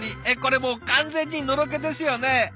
えっこれもう完全にのろけですよね。